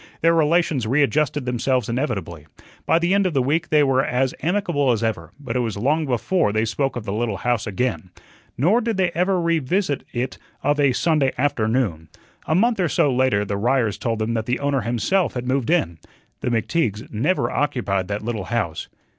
Their relations readjusted themselves inevitably. By the end of the week they were as amicable as ever, but it was long before they spoke of the little house again. Nor did they ever revisit it of a Sunday afternoon. A month or so later the Ryers told them that the owner himself had moved in. The McTeagues never occupied that little house.